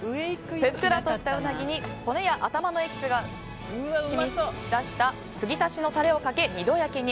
ふっくらとしたウナギに骨や頭のエキスが染み出した継ぎ足しのタレをかけ２度焼きに。